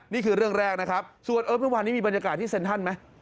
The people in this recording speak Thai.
นี่คือเรื่องแรกนะครับส่วนเอิร์ทเมื่อวานนี้มีบรรยากาศที่เซ็นทรัลไหม